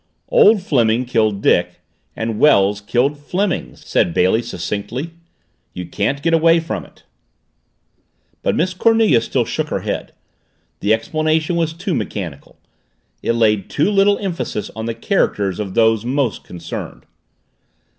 "Old Fleming killed Dick and Wells killed Fleming," said Bailey succinctly. "You can't get away from it!" But Miss Cornelia still shook her head. The explanation was too mechanical. It laid too little emphasis on the characters of those most concerned.